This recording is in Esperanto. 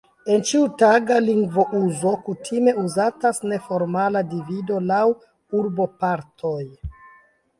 En ĉiutaga lingvouzo kutime uzatas neformala divido laŭ urbopartoj.